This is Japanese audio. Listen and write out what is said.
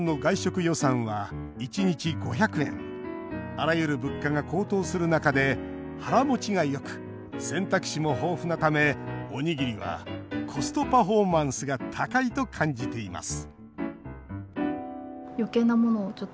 あらゆる物価が高騰する中で腹もちがよく選択肢も豊富なためおにぎりはコストパフォーマンスが高いと感じています